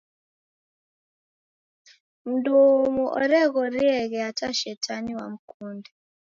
Mndumu oreghorieghe hata shetani wamkunde!